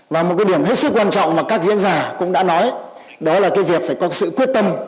và một cái điểm hết sức quan trọng mà các diễn giả cũng đã nói đó là cái việc phải có sự quyết tâm